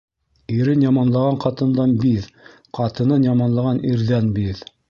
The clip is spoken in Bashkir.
Ирен яманлаған ҡатындан биҙ, ҡатынын яманлаған ирҙән биҙ.